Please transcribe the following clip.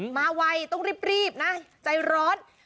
ไวต้องรีบนะใจร้อน